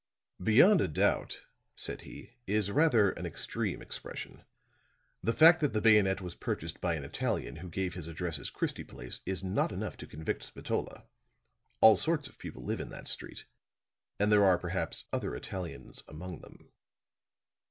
"Beyond a doubt," said he, "is rather an extreme expression. The fact that the bayonet was purchased by an Italian who gave his address as Christie Place is not enough to convict Spatola. All sorts of people live in that street, and there are perhaps other Italians among them."